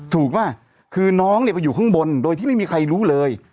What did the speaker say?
ถูกป่ะคือน้องเนี่ยไปอยู่ข้างบนโดยที่ไม่มีใครรู้เลย